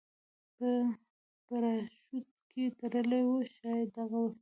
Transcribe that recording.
په پراشوټ کې تړلې وه، ښایي دغه وسلې.